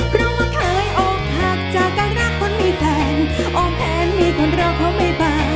เพราะว่าเคยอกหักจากการรักคนมีแฟนโอมแผนมีคนเราเขาไม่ไป